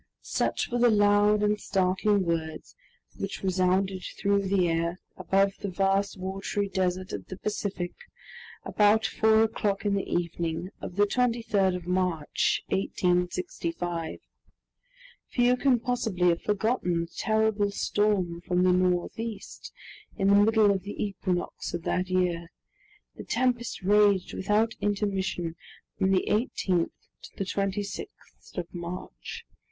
Such were the loud and startling words which resounded through the air, above the vast watery desert of the Pacific, about four o'clock in the evening of the 23rd of March, 1865. Few can possibly have forgotten the terrible storm from the northeast, in the middle of the equinox of that year. The tempest raged without intermission from the 18th to the 26th of March.